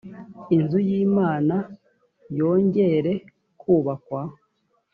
inzu y imana yongere kubakwa